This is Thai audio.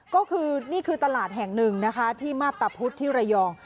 ก็คือนี่คือตลาดแห่งหนึ่งนะคะที่มาพตะพุธที่ระยอง